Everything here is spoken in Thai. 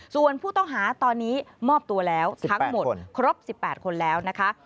ส่วนผู้ต้องหาตอนนี้มอบตัวแล้วทั้งหมดครบ๑๘คนแล้วนะคะ